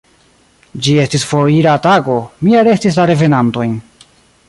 Ĝi estis foira tago: mi arestis la revenantojn.